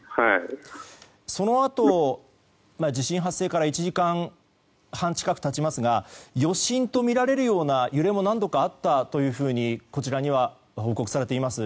そのあと、地震発生から１時間半近く経ちますが余震とみられるような揺れも何度かあったというふうにこちらには報告されています。